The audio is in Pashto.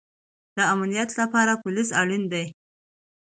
د امنیت لپاره پولیس اړین دی